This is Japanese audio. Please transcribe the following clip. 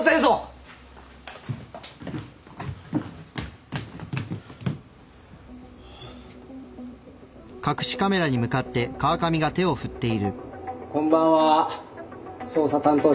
こんばんは捜査担当者の皆さん。